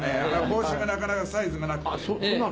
帽子がなかなかサイズがなくて。